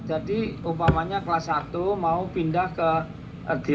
jadi umpamanya kelas satu mau pindah ke